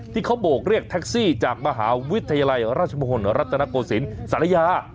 ที่เขาโบกเรียกแท็กซี่จากมหาวิทยาลัยราชมหลศรรัฐนโกสินสรรยา